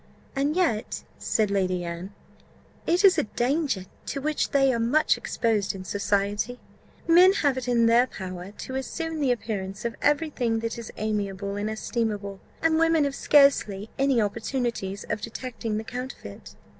"And yet," said Lady Anne, "it is a danger to which they are much exposed in society. Men have it in their power to assume the appearance of every thing that is amiable and estimable, and women have scarcely any opportunities of detecting the counterfeit."